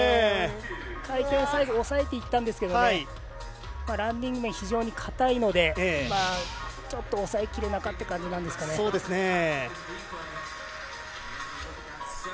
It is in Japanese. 回転、最後抑えていったんですがランディング面も非常にかたいのでちょっと抑えきれなかった感じですかね。